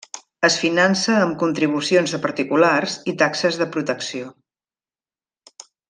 Es finança amb contribucions de particulars i taxes de protecció.